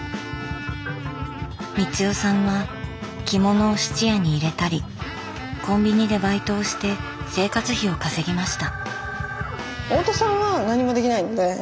光代さんは着物を質屋に入れたりコンビニでバイトをして生活費を稼ぎました。